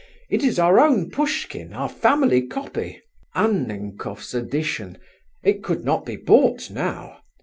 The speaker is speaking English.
"It is our own Pushkin, our family copy, Annenkoff's edition; it could not be bought now.